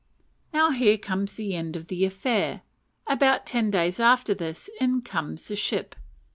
Now here comes the end of the affair. About ten days after this in comes the ship.